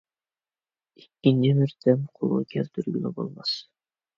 ئىككىنچى مەرتەم قولغا كەلتۈرگىلى بولماس.